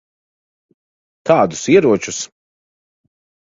Kādus ieročus?